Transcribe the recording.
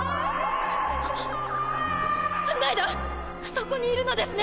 そこにいるのですね！